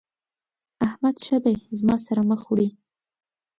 احمد ښه دی زما سره مخ وړي.